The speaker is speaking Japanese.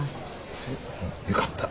よかった。